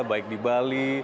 baik di bali